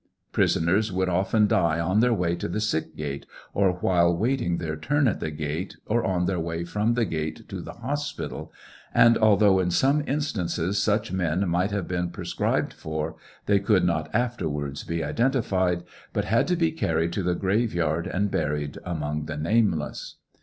Prisoners would often die on their way to the sick gate, or while waiting their turn at the gate, or on their way from the gate to the hospital, and although in some instances such men might have been prescribed for, they could not afterwards be identified, but had to be carried to the graveyard and buried among the nameless.